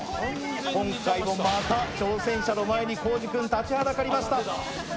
今回もまた挑戦者の前にコージくん立ちはだかりました。